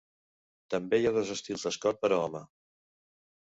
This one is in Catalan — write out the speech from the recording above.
També hi ha dos estils d'escot per a home.